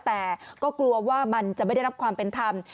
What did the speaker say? แต่ก็กลัวว่ามันจะไม่ได้รับความเป็นธรรม